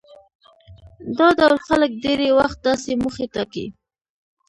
دا ډول خلک ډېری وخت داسې موخې ټاکي.